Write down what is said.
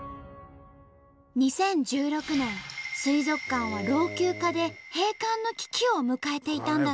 ２０１６年水族館は老朽化で閉館の危機を迎えていたんだって。